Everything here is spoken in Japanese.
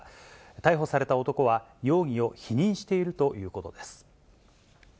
逮捕された男は、容疑を否認しているということです。